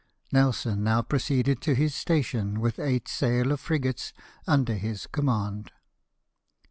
Nelson now proceeded to his station with eight sail of frigates under his command.